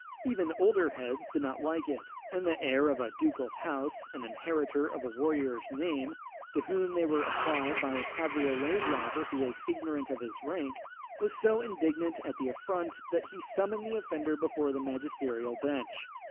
Even older heads did not like it; and the heir of a ducal house, and inheritor of a warrior's name, to whom they were applied by a cabriolet driver who was ignorant of his rank, was so indignant at the affront, that he summoned the offender before the magisterial bench.